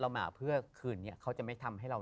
พี่ยังไม่ได้เลิกแต่พี่ยังไม่ได้เลิก